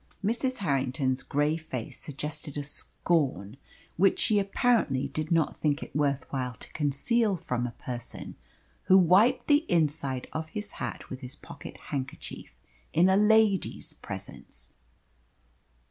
Mrs. Harrington's grey face suggested a scorn which she apparently did not think it worth while to conceal from a person who wiped the inside of his hat with his pocket handkerchief in a lady's presence.